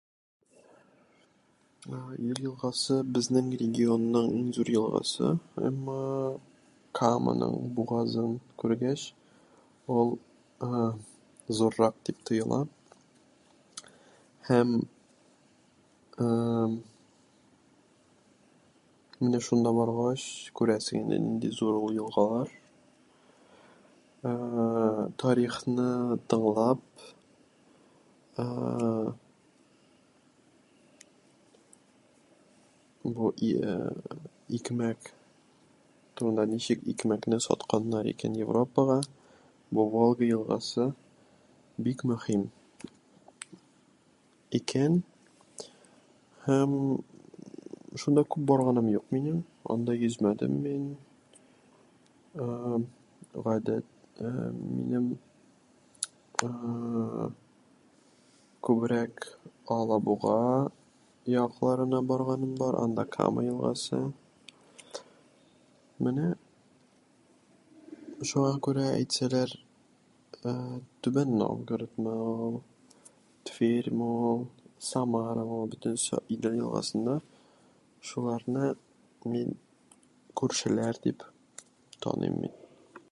Ә-ә, Идел елгасы - безнең регионның иң зур елгасы, әмма Каманың бугазын күргеч, ул, ә-ә, зуррак дип тоела. Һәм, ә-әм, менә шунда баргач күрәсең инде, нинди зур ул елгалар. Ә-ә-ә, тарихны тыңлап, ә-ә-ә, бу и-, ә-ә, икмәк турында, ничек икмәкне сатканнар икән Европага, бу Волга елгасы бик мөһим... икән. Һәм шунда күп барганым юк минем. Анда йөзмәдем мин. Ә-әм, гадәттә минем, ә-ә-ә, күбрәк Алабуга якларына барганым бар. Анда Кама елгасы. Менә шуңа күрә, әйтсәләр, ә-ә, Түбән Новгородмы ул, Тверьмы ул, Самарамы ул - бөтенсе Идел елгасында, шуларны мин күршеләр дип таныйм мин.